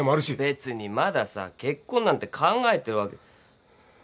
別にまださ結婚なんて考えてるわけ。